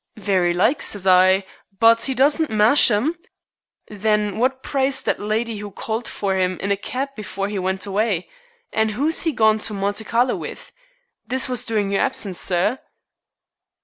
'Very like,' says I, 'but 'e doesn't mash 'em.' 'Then what price that lydy who called for 'im in a keb afore 'e went away? An' who's 'e gone to Monte Carlo with?' This was durin' your absence, sir."